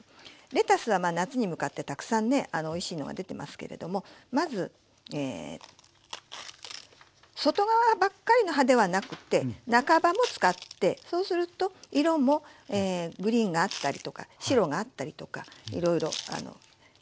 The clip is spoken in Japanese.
レタスは夏に向かってたくさんねおいしいのが出てますけれどもまず外側ばっかりの葉ではなくて中葉も使ってそうすると色もグリーンがあったりとか白があったりとかいろいろきれいですからね。